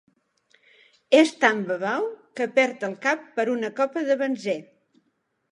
És tan babau que perd el cap per una copa de benzè.